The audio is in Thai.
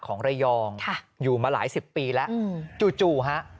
ของไรยองค่ะอยู่มาหลายสิบปีแล้วอือจู่จู่อะ